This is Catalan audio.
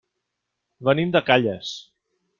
Venim de Calles.